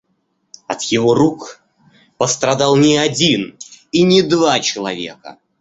От его рук пострадал не один и не два человека.